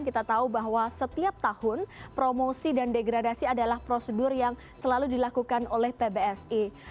kita tahu bahwa setiap tahun promosi dan degradasi adalah prosedur yang selalu dilakukan oleh pbsi